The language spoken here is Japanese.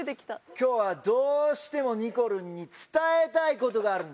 今日はどうしてもにこるんに伝えたい事があるんだ。